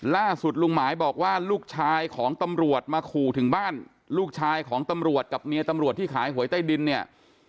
ล่าสุดลุงหมายบอกว่าลูกชายของตำรวจมาขู่ถึงบ้านลูกชายของตำรวจกับเมียตำรวจที่ขายหวยใต้ดินเนี่ย